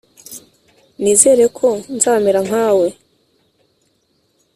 nizere ko nzamera nkawe